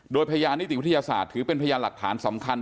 โดยพยานนิติวิทยาศาสตร์ถือเป็นพยานหลักฐานสำคัญ